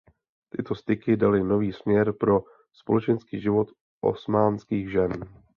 Tyto styky daly nový směr pro společenský život osmanských žen.